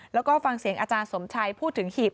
แล้วก็ฟังเสียงอาจารย์สมชัยพูดถึงหีบ